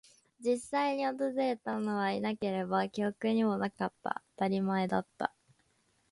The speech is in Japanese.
実際に訪れたものはいなければ、記憶にもなかった。当たり前だった。